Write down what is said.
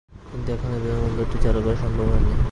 কিন্তু এখনো বিমানবন্দরটি চালু করা সম্ভব হয়নি।